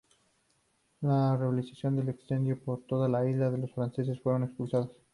La rebelión se extendió por toda la isla y los franceses fueron expulsados.